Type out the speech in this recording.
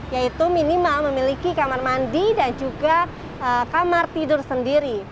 yaitu minimal memiliki kamar mandi dan juga kamar tidur sendiri